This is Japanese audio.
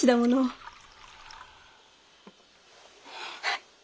はい。